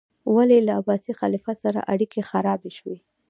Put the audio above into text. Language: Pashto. ولې له عباسي خلیفه سره اړیکې خرابې شوې؟